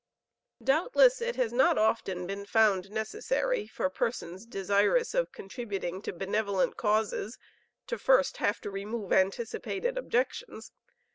Doubtless it has not often been found necessary for persons desirous of contributing to benevolent causes to first have to remove anticipated objections.